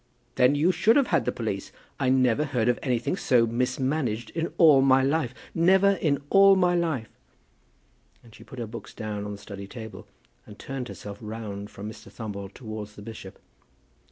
"Then you should have had the police. I never heard of anything so mismanaged in all my life, never in all my life." And she put her books down on the study table, and turned herself round from Mr. Thumble towards the bishop.